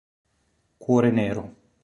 Cuore nero